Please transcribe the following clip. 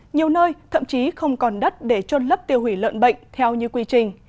nhiều nơi thậm chí không còn đất để trôn lấp tiêu hủy lợn bệnh theo như quy trình